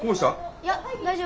いや大丈夫。